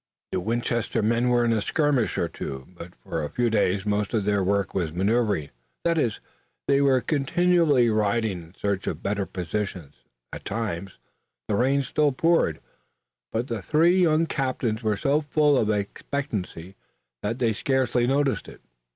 The Winchester men were in a skirmish or two, but for a few days most of their work was maneuvering, that is, they were continually riding in search of better positions. At times, the rain still poured, but the three young captains were so full of expectancy that they scarcely noticed it.